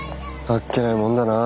あっけないもんだな。